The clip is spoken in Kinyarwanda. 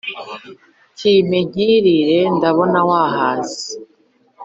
kimpe nkirire ndabona wahaze